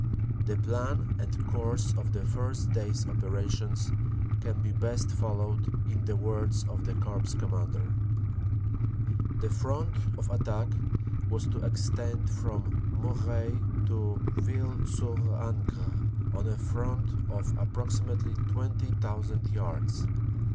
The plan and course of the first day s operations can be best followed in the words of the Corps Commander : u The front of attack was to extend from Moreuil to Ville sur Ancre on a front of approximately 20,000 yards.